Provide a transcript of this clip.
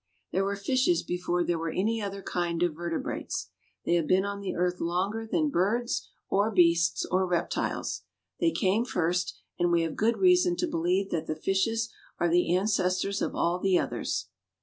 There were fishes before there were any other kind of vertebrates. They have been on the earth longer than birds or beasts or reptiles. They came first, and we have good reason to believe that the fishes are the ancestors of all the others.